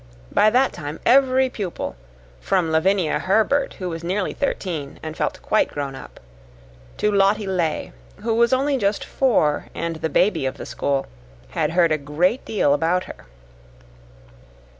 By that time every pupil from Lavinia Herbert, who was nearly thirteen and felt quite grown up, to Lottie Legh, who was only just four and the baby of the school had heard a great deal about her.